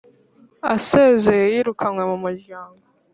asezeye yirukanywe mu muryango